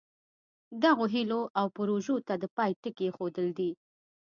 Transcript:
دغو هیلو او پروژو ته د پای ټکی ایښودل دي.